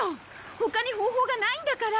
他に方法がないんだから！